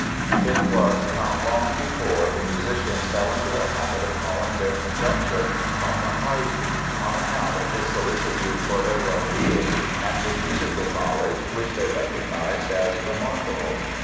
'"It was not long before the musicians fell into the habit of calling their conductor "Papa Haydn", on account of his solicitude for their well being and his musical knowledge which they recognized as remarkable.